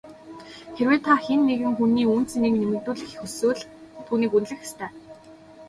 Хэрвээ та хэн нэгэн хүний үнэ цэнийг нэмэгдүүлэхийг хүсвэл түүнийг үнэлэх ёстой.